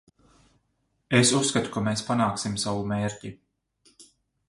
Es uzskatu, ka mēs panāksim savu mērķi.